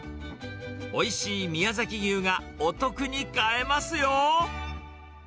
おいしい宮崎牛がお得に買えますよ。